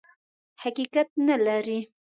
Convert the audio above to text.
حقیقت نه لري.